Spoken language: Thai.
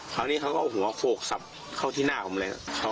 คราวนี้เขาก็หัวโขกสับเข้าที่หน้าผมเลยนะ